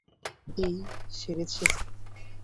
এই, সেরেছে।